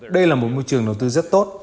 đây là một môi trường đầu tư rất tốt